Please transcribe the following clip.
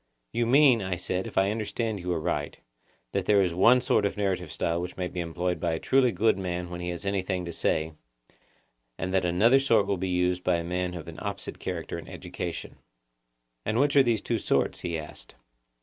You mean, I said, if I understand you aright, that there is one sort of narrative style which may be employed by a truly good man when he has anything to say, and that another sort will be used by a man of an opposite character and education. And which are these two sorts? he asked.